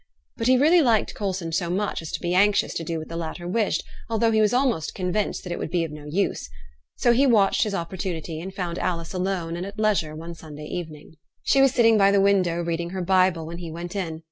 But he really liked Coulson so much as to be anxious to do what the latter wished, although he was almost convinced that it would be of no use. So he watched his opportunity, and found Alice alone and at leisure one Sunday evening. She was sitting by the window, reading her Bible, when he went in.